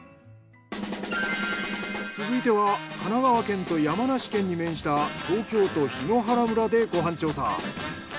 続いては神奈川県と山梨県に面した東京都檜原村でご飯調査。